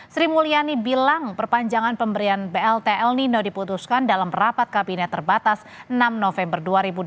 sri mulyani bilang perpanjangan pemberian blt el nino diputuskan dalam rapat kabinet terbatas enam november dua ribu dua puluh